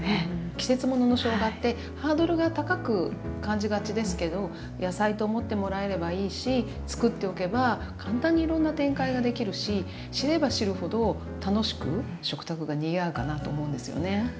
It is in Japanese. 季節もののしょうがってハードルが高く感じがちですけど野菜と思ってもらえればいいし作っておけば簡単にいろんな展開ができるし知れば知るほど楽しく食卓がにぎわうかなと思うんですよね。